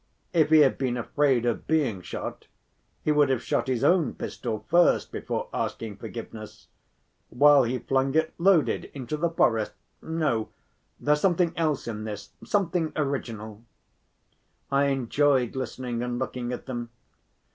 "If he had been afraid of being shot, he would have shot his own pistol first before asking forgiveness, while he flung it loaded into the forest. No, there's something else in this, something original." I enjoyed listening and looking at them.